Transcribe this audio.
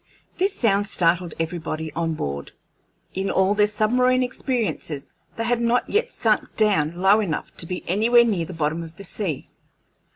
This sound startled everybody on board. In all their submarine experiences they had not yet sunk down low enough to be anywhere near the bottom of the sea.